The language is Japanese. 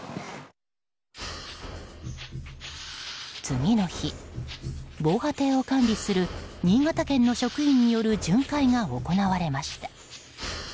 次の日、防波堤を管理する新潟県の職員による巡回が行われました。